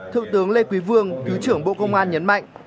thượng tướng lê quý vương thứ trưởng bộ công an nhấn mạnh